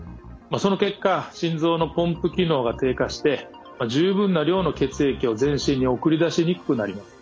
その結果心臓のポンプ機能が低下して十分な量の血液を全身に送り出しにくくなります。